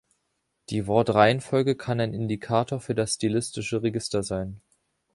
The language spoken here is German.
Die Wortreihenfolge kann ein Indikator für das stilistische Register sein.